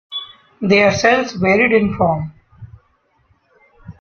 Their shells varied in form.